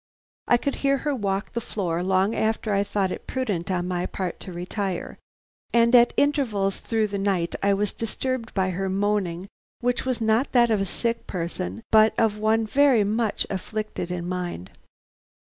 I could hear her walk the floor long after I thought it prudent on my part to retire, and at intervals through the night I was disturbed by her moaning, which was not that of a sick person but of one very much afflicted in mind.